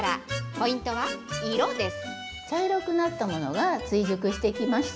ポイントは色です。